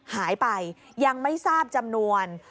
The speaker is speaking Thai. หายไปยังไม่ทราบจำนวน